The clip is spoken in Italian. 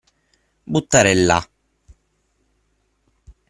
Buttare là.